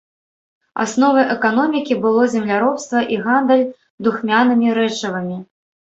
Асновай эканомікі было земляробства і гандаль духмянымі рэчывамі.